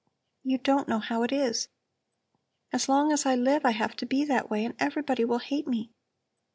You don't know how it is. As long as I live I have to be that way, and everybody will hate me.